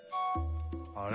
あれ？